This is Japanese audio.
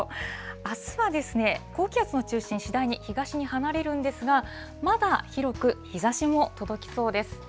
あすは高気圧の中心、次第に東に離れるんですが、まだ広く日ざしも届きそうです。